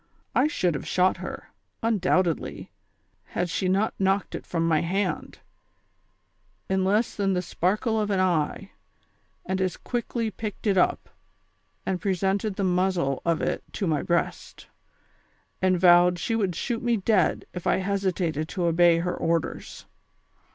I should have shot her, undoubtedly, had she not knocked it from my hand, in less than the sparkle of an eye, and as quickly picked it up, and presented the muzzle of it to my breast, and vowed she would shoot me dead if I hesitated to obey her orders.